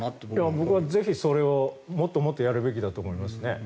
僕はぜひそれをもっともっとやるべきだと思いますね。